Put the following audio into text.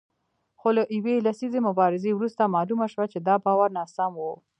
خو له یوې لسیزې مبارزې وروسته معلومه شوه چې دا باور ناسم و